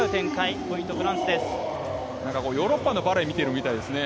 ヨーロッパのバレーを見てるみたいですね。